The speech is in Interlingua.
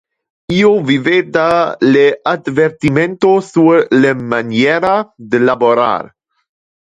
Io videva le advertimento sur le maniera de laborar.